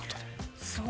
そう。